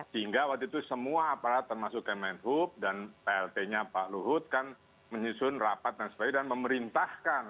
sehingga waktu itu semua aparat termasuk kemenhub dan plt nya pak luhut kan menyusun rapat dan sebagainya dan memerintahkan